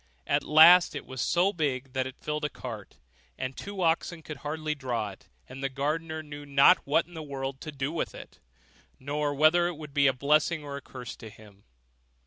At last it was so big that it filled a cart, and two oxen could hardly draw it; and the gardener knew not what in the world to do with it, nor whether it would be a blessing or a curse to him.